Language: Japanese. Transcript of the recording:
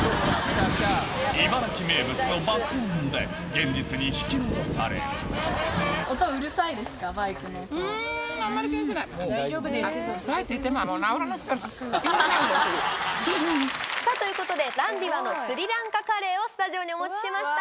現実に引き戻されるということでランディワのスリランカカレーをスタジオにお持ちしました。